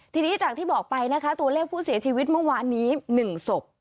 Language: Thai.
ทีนี้จากที่บอกไปนะคะตัวเลขผู้เสียชีวิตเมื่อวานนี้๑ศพ